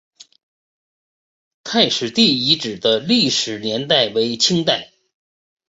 太史第遗址的历史年代为清代。